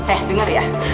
eh dengar ya